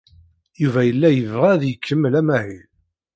Yuba yella yebɣa ad ikemmel amahil.